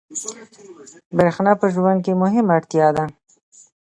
برېښنا په ژوند کې مهمه اړتیا ده.